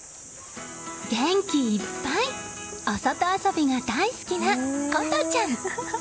元気いっぱいお外遊びが大好きな瑚音ちゃん。